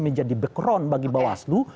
menjadi background bagi bawaslu